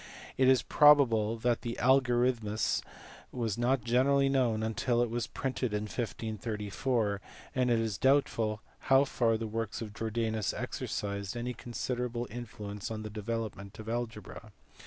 It is probable that the Alyorithmus was not generally known until it was printed in 1534, and it is doubtful how far the works of Jordanus exercised any considerable influence on the development of algebra.